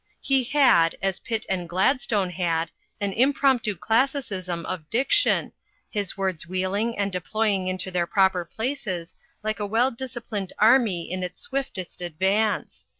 He had, as Pitt and Gladstone had, an impromptu classicism of diction, his words wheeling and deploy ing into their proper places like a well disciplined army in its swiftest advance.